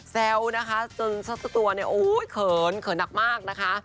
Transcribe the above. แซวนะคะจนเจ้าตัวเนี่ยโอ้ยเขินเขินหนักมากนะคะ